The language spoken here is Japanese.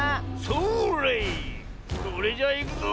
それじゃいくぞ。